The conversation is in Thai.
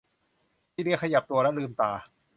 ซีเลียขยับตัวและลืมตา